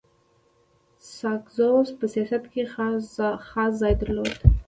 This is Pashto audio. ساکزو په سیاست کي خاص ځای درلود.